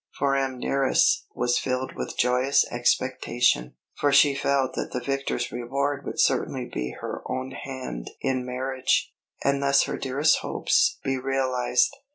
For Amneris was filled with joyous expectation; for she felt that the victor's reward would certainly be her own hand in marriage, and thus her dearest hopes be realised.